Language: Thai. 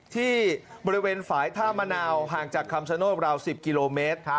ที่บริเวณฝ่ายท่ามะนาวห่างจากคำชโนธราว๑๐กิโลเมตร